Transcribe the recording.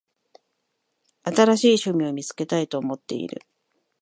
新しい趣味を見つけたいと思っている。